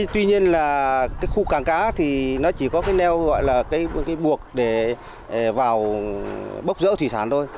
tuy nhiên là cái khu cảng cá thì nó chỉ có cái neo gọi là cái buộc để vào bốc rỡ thủy sản thôi